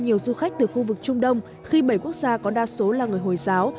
nhiều du khách từ khu vực trung đông khi bảy quốc gia có đa số là người hồi giáo